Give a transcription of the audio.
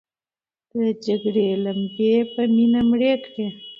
د جګړې لمبې په مینه مړې کړئ.